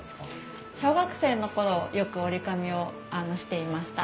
小学生の頃よく折り込みをしていました。